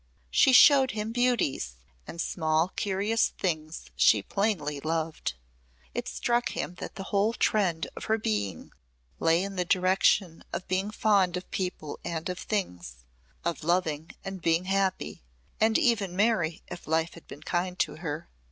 She showed him beauties and small curious things she plainly loved. It struck him that the whole trend of her being lay in the direction of being fond of people and things of loving and being happy, and even merry if life had been kind to her.